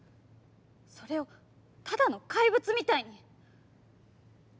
それをただの怪物みたいに。